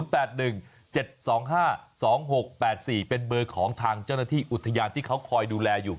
เป็นเบอร์ของทางเจ้าหน้าที่อุทยานที่เขาคอยดูแลอยู่